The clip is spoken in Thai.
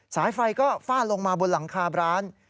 สายไฟก็ฟาดลงมาบนหลังคาร้าน